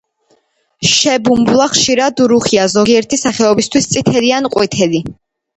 შებუმბვლა ხშირად რუხია, ზოგიერთი სახეობისათვის წითელი ან ყვითელი.